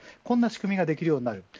そんな仕組みができるようになる。